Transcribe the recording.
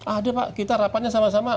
ada pak kita rapatnya sama sama